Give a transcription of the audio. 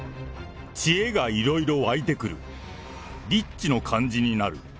チエがいろいろ湧いてくる、リッチの感じになる。